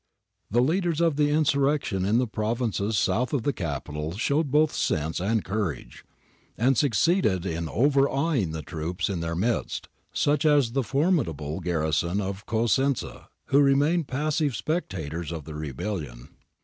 The leaders of the insurrection in the provinces south of the capital showed both sense and courage, and succeeded in overawing the troops in their midst, such as the formidable garrison of Cosenza, who remained passive spectators of the rebellion.